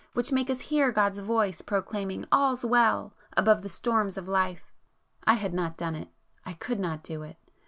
—which make us hear God's voice proclaiming 'All's well!' above the storms of life!" I had not done it,—I could not do it.